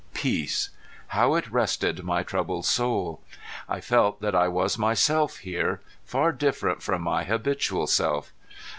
Peace! How it rested my troubled soul! I felt that I was myself here, far different from my habitual self.